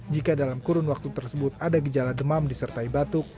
jika dalam kurun waktu tersebut ada gejala demam disertai batuk